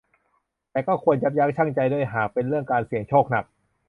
แต่ก็ควรยับยั้งชั่งใจด้วยหากเป็นเรื่องการเสี่ยงโชคหนัก